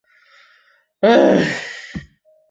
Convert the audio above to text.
淳于衍拜托霍显。